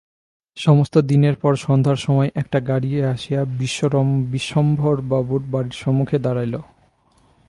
সমস্ত দিনের পর সন্ধ্যার সময় একটা গাড়ি আসিয়া বিশ্বম্ভরবাবুর বাড়ির সম্মুখে দাঁড়াইল।